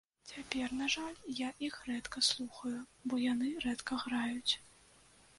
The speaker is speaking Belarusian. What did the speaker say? Цяпер, на жаль, я іх рэдка слухаю, бо яны рэдка граюць.